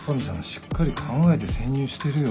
しっかり考えて潜入してるよ。